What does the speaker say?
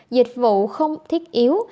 dịch vụ không thiết yếu